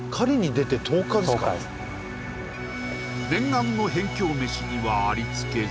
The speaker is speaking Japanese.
念願の辺境飯にはありつけず